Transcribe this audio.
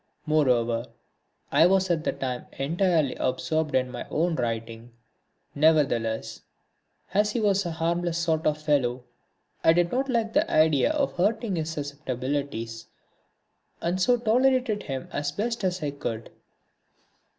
Moreover, I was at the time entirely absorbed in my own writing. Nevertheless as he was a harmless sort of fellow I did not like the idea of hurting his susceptibilities and so tolerated him as best I could.